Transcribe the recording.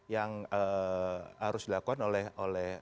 yang harus dilakukan oleh